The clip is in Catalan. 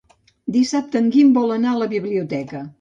Dissabte en Guim vol anar a la biblioteca.